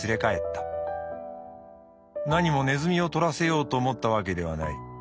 なにもネズミを捕らせようと思ったわけではない。